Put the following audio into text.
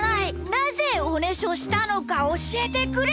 なぜおねしょしたのかおしえてくれ！